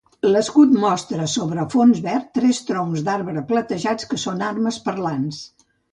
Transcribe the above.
L'escut mostra sobre fons verd tres troncs d'arbre platejats que són Armes parlants.